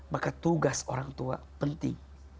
maka tugas orang tua penting